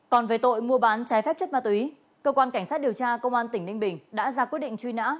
còn về tội mua bán trái phép chất ma túy cơ quan cảnh sát điều tra công an tỉnh ninh bình đã ra quyết định truy nã